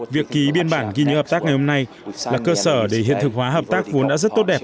việc ký biên bản ghi nhớ hợp tác ngày hôm nay là cơ sở để hiện thực hóa hợp tác vốn đã rất tốt đẹp